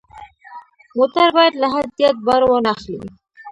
موټر باید له حد زیات بار وانه خلي.